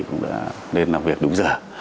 cũng đã lên làm việc đúng giờ